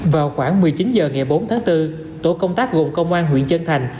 vào khoảng một mươi chín h ngày bốn tháng bốn tổ công tác gồm công an huyện chân thành